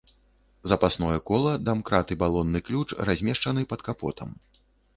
Запасное кола, дамкрат і балонны ключ размешчаны пад капотам.